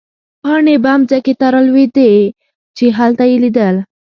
پاڼې به مځکې ته رالوېدې، چې هلته يې لیدل.